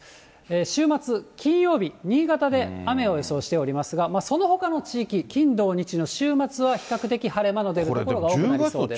週末、金曜日、新潟で雨を予想しておりますが、そのほかの地域、金土日の週末は比較的晴れ間の出るところが多くなりそうです。